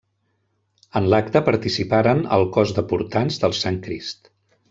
En l'acte participaren el cos de Portants del Sant Crist.